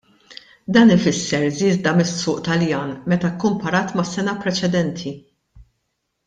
Dan ifisser żieda mis-suq Taljan meta kkumparat mas-sena preċedenti.